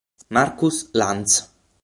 Marcus Lantz